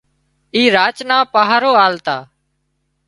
اي راچ نان پاهرو آلتا